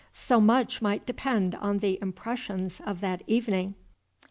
So much might depend on the impressions of that evening!